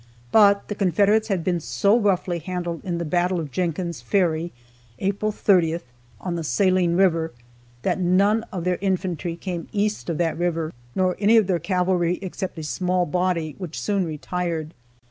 But the Confederates had been so roughly handled in the battle of Jenkins' Ferry, April 30th, on the Saline river, that none of their infantry came east of that river, nor any of their cavalry except a small body, which soon retired.